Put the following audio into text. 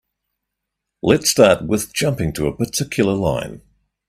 Let's start with jumping to a particular line.